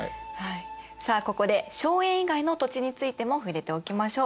さあここで荘園以外の土地についても触れておきましょう。